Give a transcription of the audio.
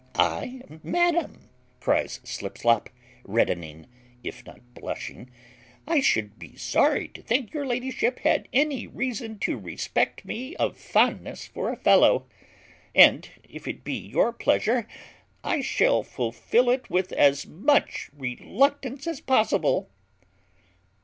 "I, madam!" cries Slipslop, reddening, if not blushing, "I should be sorry to think your ladyship had any reason to respect me of fondness for a fellow; and if it be your pleasure, I shall fulfil it with as much reluctance as possible."